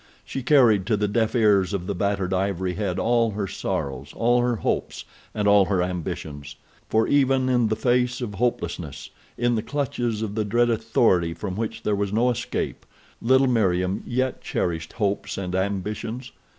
She carried to the deaf ears of the battered ivory head all her sorrows all her hopes and all her ambitions, for even in the face of hopelessness, in the clutches of the dread authority from which there was no escape, little Meriem yet cherished hopes and ambitions.